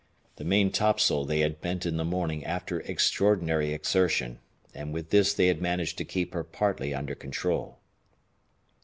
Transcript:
The maintopsail they had bent in the morning after extraordinary exertion, and with this they had managed to keep her partly under control.